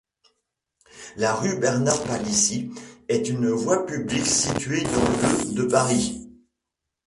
La rue Bernard-Palissy est une voie publique située dans le de Paris.